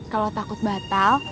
kalau takut batal